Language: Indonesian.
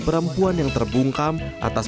perempuan yang terbungkam atas